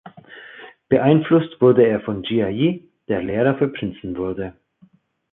Beeinflusst wurde er von Jia Yi, der Lehrer für Prinzen wurde.